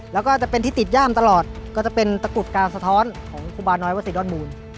แล้วก็จะเป็นที่ติดย่ามตลอดก็จะเป็นตะกรุดการสะท้อนของครูบาน้อยวัสสิดอนมูล